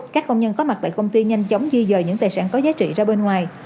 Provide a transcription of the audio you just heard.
các công nhân có mặt tại công ty nhanh chóng di dời những tài sản có giá trị ra bên ngoài